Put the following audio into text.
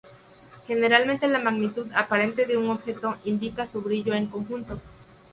Generalmente la magnitud aparente de un objeto indica su brillo en conjunto.